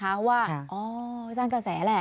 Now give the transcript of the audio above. เพราะว่าอ๋อมีกระแสแหละ